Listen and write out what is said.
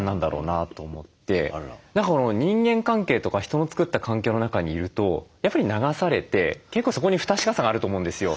何か人間関係とか人の作った環境の中にいるとやっぱり流されて結構そこに不確かさがあると思うんですよ。